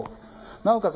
なおかつ